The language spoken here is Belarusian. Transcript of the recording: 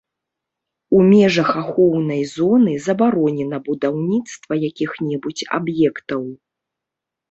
У межах ахоўнай зоны забаронена будаўніцтва якіх-небудзь аб'ектаў.